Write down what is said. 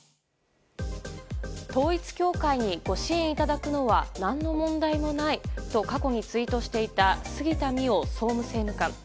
統一教会にご支援いただくのは何の問題もないと過去にツイートしていた杉田水脈総務政務官。